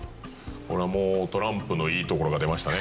これはもうトランプのいいところが出ましたね。